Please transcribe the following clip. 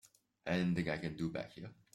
Anything I can do back here?